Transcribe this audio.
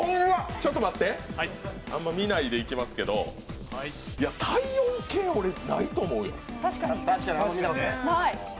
ちょっと待ってあんま見ないでいきますけど、体温計、俺、ないと思うよ。